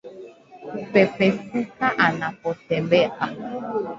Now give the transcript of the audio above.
Kupepesuka anapotembea